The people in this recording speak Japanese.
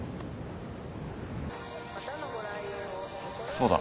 そうだ。